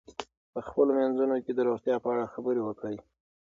په خپلو منځونو کې د روغتیا په اړه خبرې وکړئ.